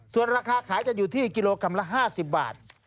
ส่วนราคาขายจะอยู่ที่กิโลกรัมละ๕๐บาท